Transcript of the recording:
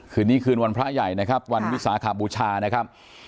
คืนนี้คืนวันพระใหญ่นะครับวันวิสาขบูชานะครับ